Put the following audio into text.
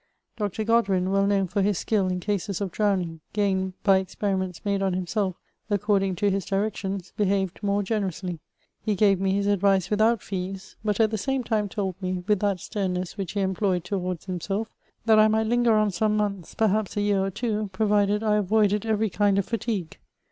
Dr. Godwin, well known for his skill in cases of drowning, gained by experiments made on himself, accord ing to his directions, behaved more generously : he gave me hb advice without fees, but at the same time told me, with that sternness which he employed towards himself, lliat I might linger on some months, perhaps a year or two, provided I avoided every kind of &tigue.